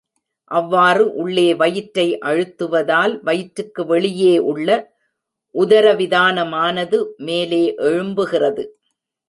அவ்வாறு உள்ளே வயிற்றை அழுத்துவதால் வயிற்றுக்கு வெளியே உள்ள உதரவிதானமானது மேலே எழும்புகிறது.